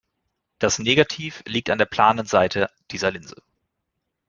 Das Negativ liegt an der planen Seite dieser Linse.